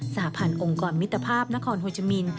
หพันธ์องค์กรมิตภาพนครโฮจามิน